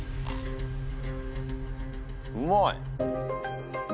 うまい！